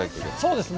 そうです。